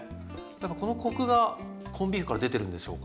やっぱこのコクがコンビーフから出てるんでしょうか？